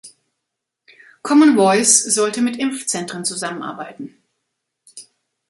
Common Voice sollte mit Impfzentren zusammenarbeiten.